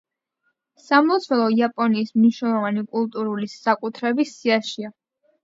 სამლოცველო იაპონიის მნიშვნელოვანი კულტურული საკუთრების სიაშია.